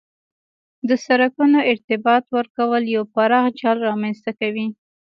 د سرکونو ارتباط ورکول یو پراخ جال رامنځ ته کوي